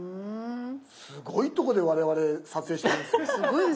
すごいとこで我々撮影してますね。